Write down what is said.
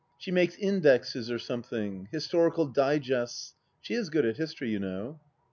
She makes indexes or something. ... Historical digests. ... She is good at history, you know.